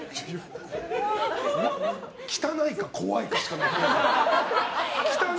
汚いか怖いかしかない。